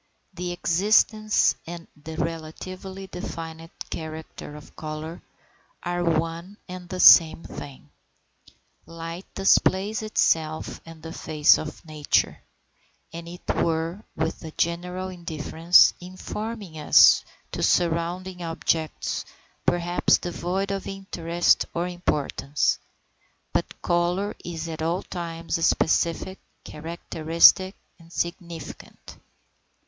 The existence and the relatively definite character of colour are one and the same thing. Light displays itself and the face of nature, as it were, with a general indifference, informing us as to surrounding objects perhaps devoid of interest or importance; but colour is at all times specific, characteristic, significant.